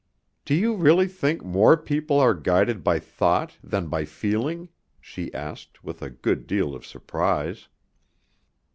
"Do you really think more people are guided by thought than by feeling?" she asked with a good deal of surprise.